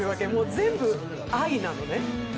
全部、愛なのね。